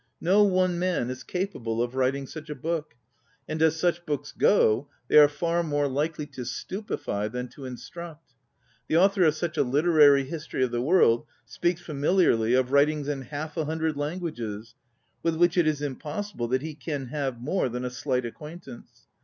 No one man is capable of writing such a book, and as such books go they are far more likely to stupefy than to in struct. The author of such a literary history of the world speaks famil iarly of writings in half a hundred languages, with which it is impossible that he can have more than a slight acquaintance.